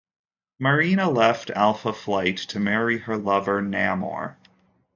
Marrina left Alpha Flight to marry her lover, Namor.